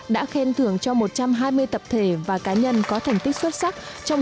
đã khen thưởng cho một trăm hai mươi tập thể và cá nhân có thành tích xuất hiện